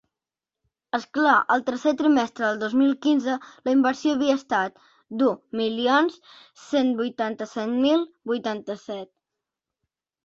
És clar, el tercer trimestre del dos mil quinze la inversió havia estat d’u milions cent vuitanta-set mil vuitanta-set.